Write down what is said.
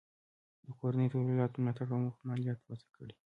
د کورنیو تولیداتو د ملاتړ په موخه مالیات وضع کړي.